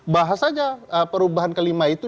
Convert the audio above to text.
bahas aja perubahan kelima itu